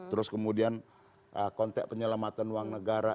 terus kemudian kontek penyelamatan uang negara